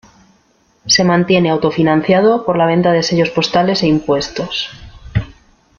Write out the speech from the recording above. Se mantiene auto financiado por la venta de sellos postales e impuestos.